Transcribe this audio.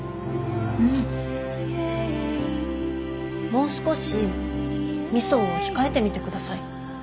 もう少しみそを控えてみてください。